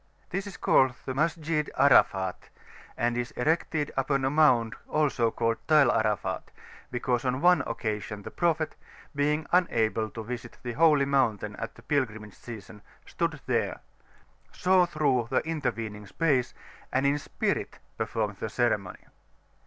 This is called the Masjid Arafat, and is erected upon a mound also named Tall Arafat, because on one occasion the Prophet, being unable to visit the Holy Mountain at the pilgrimage season, stood there, saw through the intervening space, and in spirit performed the ceremony.